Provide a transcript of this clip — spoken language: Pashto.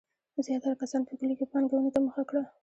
زیاتره کسانو په کلیو کې پانګونې ته مخه کړه.